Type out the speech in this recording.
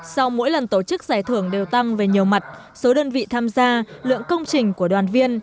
sau mỗi lần tổ chức giải thưởng đều tăng về nhiều mặt số đơn vị tham gia lượng công trình của đoàn viên